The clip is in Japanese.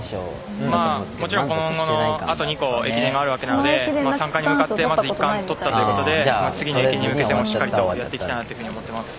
もちろん今後あと２回、駅伝があるので３冠に向かってまず１冠とったということで次の駅伝に向けてもしっかりとやっていきたいと思います。